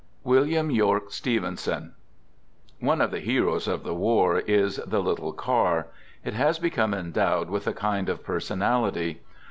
Digitized by WILLIAM YORKE STEVENSON One of the heroes of the war is the " little car." It has become endowed with a kind of personality.